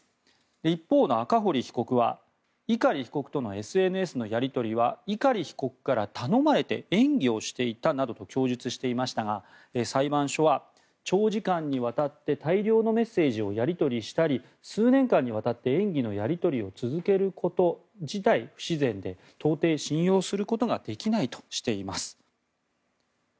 一方の赤堀被告は碇被告とのＳＮＳのやり取りは碇被告から頼まれて演技をしていたなどと供述していましたが裁判所は、長時間にわたって大量のメッセージをやり取りしたり数年間にわたって演技のやり取りを続けること自体不自然で到底信用することができないとしています。